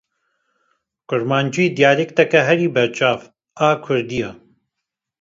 Kurmancî dialekta herî berbiçav a Kurdî ye.